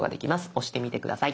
押してみて下さい。